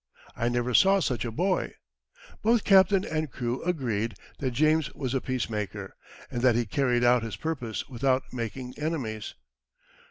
I never saw such a boy." Both captain and crew agreed that James was a peacemaker, and that he carried out his purpose without making enemies.